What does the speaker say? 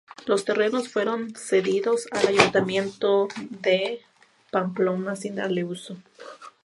Los terrenos fueron cedidos al ayuntamiento de Pamplona sin darle uso.